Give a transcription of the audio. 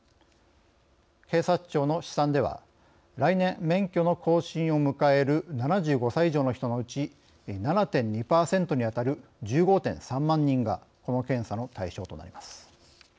警察庁の試算では来年免許の更新を迎える７５歳以上の人のうち７．２％に当たる１５．３万人がこの検査の対象となります。